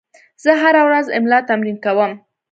زه هره ورځ املا تمرین کوم.